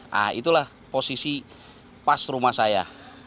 nah itulah posisi pas rumah saya